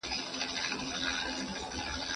انلاين زده کړه زده کوونکو ته د تمرکز فرصت برابر کړ.